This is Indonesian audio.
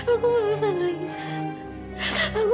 aku parah banget lagi